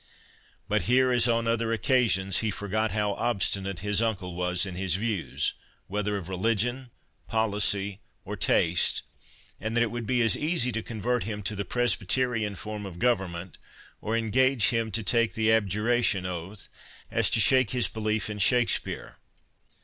But here, as on other occasions, he forgot how obstinate his uncle was in his views, whether of religion, policy, or taste, and that it would be as easy to convert him to the Presbyterian form of government, or engage him to take the abjuration oath, as to shake his belief in Shakspeare.